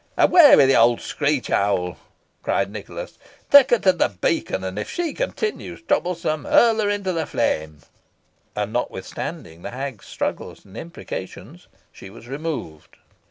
"Away with the old screech owl," cried Nicholas. "Take her to the beacon, and, if she continues troublesome, hurl her into the flame." And, notwithstanding the hag's struggles and imprecations, she was removed.